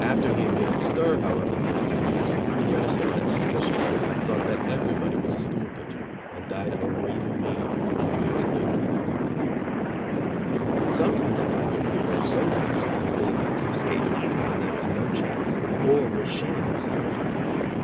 After he had been in stir, however, for a few years, he grew reticent and suspicious, thought that everybody was a stool pigeon, and died a raving maniac a few years later at Matteawan. Sometimes a convict will grow so nervous that he will attempt to escape, even when there is no chance, or will sham insanity.